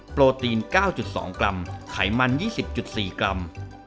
โปรตีน๙๒กรัมไขมัน๒๐๔กรัม